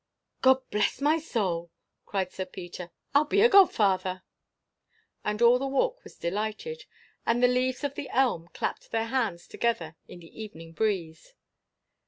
_" "Gobblessmysoul!" cried Sir Peter, "I'll be godfather!" And all the Walk was delighted, and the leaves of the elm clapped their hands together in the evening breeze.